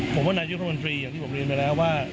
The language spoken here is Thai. ผมว่านายุทธมนตรีอย่างที่ผมเรียนไปแล้วว่า